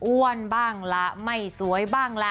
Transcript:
บ้างละไม่สวยบ้างละ